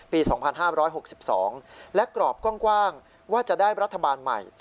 ปี๒๕๖๒และกรอบกว้างว่าจะได้รัฐบาลใหม่